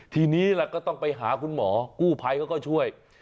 ทีนี้ล่ะก็ต้องไปหาคุณหมอกู้ภัยเขาก็ช่วย